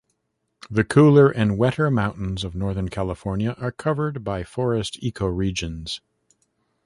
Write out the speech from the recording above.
The cooler and wetter mountains of northern California are covered by forest ecoregions.